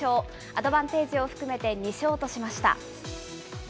アドバンテージを含めて２勝としました。